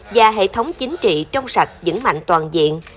và hệ thống chính trị trong sạch dững mạnh toàn diện